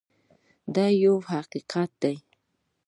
دا یو حقیقت دی.